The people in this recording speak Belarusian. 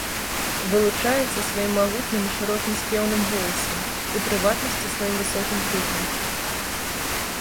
Вылучаецца сваім магутным і шырокім спеўным голасам, у прыватнасці сваім высокім крыкам.